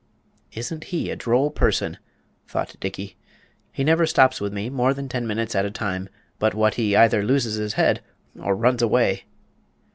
"Isn't he a droll person?" thought Dickey. "He never stops with me more than ten minutes at a time but what he either loses his head or runs away."